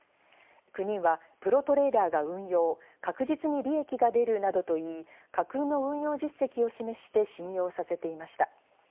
９人はプロトレーダーが運用、確実に利益が出るなとといい、架空の運用実績を示して信用させていました。